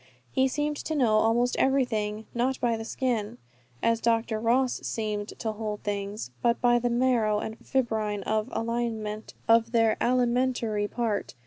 He seemed to know almost everything, not by the skin, as Dr. Ross seemed to hold things, but by the marrow and fibrine of their alimentary part.